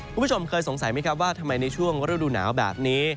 คุณผู้ชมเคยสงสัยไหมครับว่าทำไมในช่วงฤดูหนาวแบบนี้